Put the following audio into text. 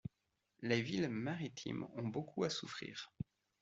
Les villes maritimes ont beaucoup à souffrir.